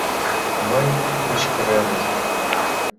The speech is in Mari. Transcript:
Мый кычкыральым: